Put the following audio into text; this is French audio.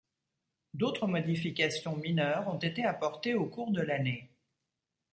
D'autres modifications mineures ont été apportées au cours de l'année.